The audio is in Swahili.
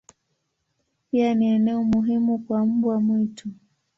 Pia ni eneo muhimu kwa mbwa mwitu.